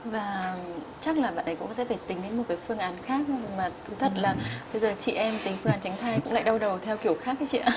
và chắc là bạn ấy cũng sẽ phải tính đến một cái phương án khác mà tôi thất là bây giờ chị em tính phương án tránh thai cũng lại đau đầu theo kiểu khác ấy chị ạ